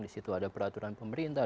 di situ ada peraturan pemerintah